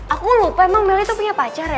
aku lupa emang meli itu punya pacar ya